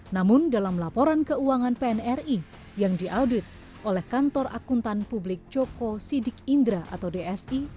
namun dalam laporan keuangan pnri yang diaudit oleh kantor akuntan publik joko sidik indra atau dsi